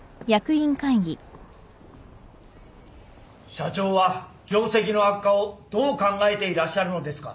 社長は業績の悪化をどう考えていらっしゃるのですか？